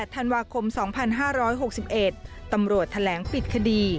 ธันวาคม๒๕๖๑ตำรวจแถลงปิดคดี